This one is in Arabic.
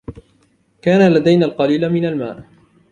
كان لدينا القليل من الماء.